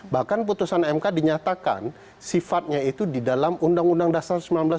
bahkan putusan mk dinyatakan sifatnya itu di dalam undang undang dasar sembilan belas lima